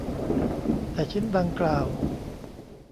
แต่ชิ้นดังกล่าว